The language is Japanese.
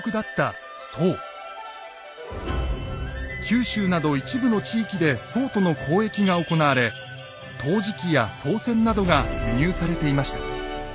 九州など一部の地域で宋との交易が行われ陶磁器や宋銭などが輸入されていました。